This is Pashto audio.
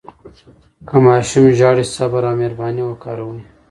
که ماشوم ژاړي، صبر او مهرباني وکاروئ.